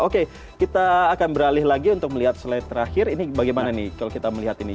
oke kita akan beralih lagi untuk melihat slide terakhir ini bagaimana nih kalau kita melihat ini